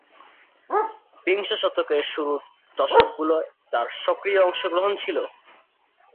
বিংশ শতকের শুরুর দশকগুলোয় তার সক্রিয় অংশগ্রহণ ছিল।